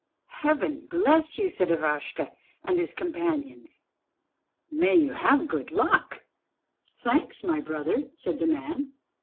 "Heaven bless you!" said Ivashka and his companions. "May you have good luck." "Thanks, my brothers," said the man.